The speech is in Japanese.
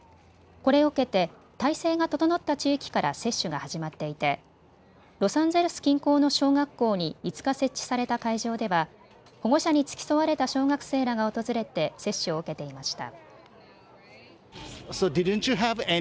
これを受けて態勢が整った地域から接種が始まっていてロサンゼルス近郊の小学校に５日、設置された会場では保護者に付き添われた小学生らが訪れて接種を受けていました。